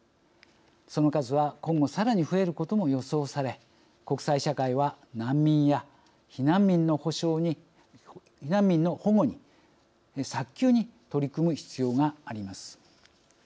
その数は今後さらに増えることも予想され国際社会は難民や避難民の保護に早急に取り組む必要があります。